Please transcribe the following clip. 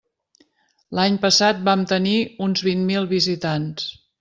L'any passat vam tenir uns vint mil visitants.